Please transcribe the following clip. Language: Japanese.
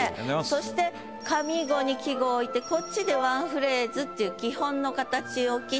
そして上五に季語を置いてこっちでワンフレーズっていう。